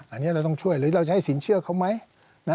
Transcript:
อันนี้เราต้องช่วยหรือเราจะให้สินเชื่อเขาไหม